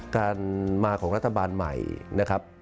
การมาของรัฐบาลใหม่นะครับ